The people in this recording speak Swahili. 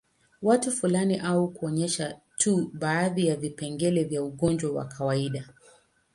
Watu fulani au kuonyesha tu baadhi ya vipengele vya ugonjwa wa kawaida